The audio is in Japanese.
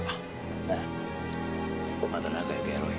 なあまた仲良くやろうよ。